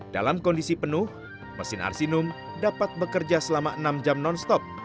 dalam kondisi penuh mesin arsinum dapat bekerja selama enam jam non stop